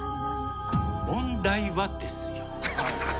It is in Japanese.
問題はですよ。